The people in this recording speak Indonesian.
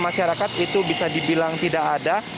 masyarakat itu bisa dibilang tidak ada